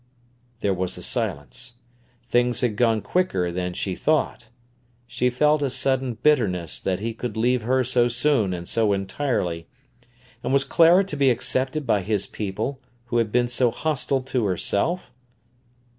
There was a silence. Things had gone quicker than she thought. She felt a sudden bitterness that he could leave her so soon and so entirely. And was Clara to be accepted by his people, who had been so hostile to herself?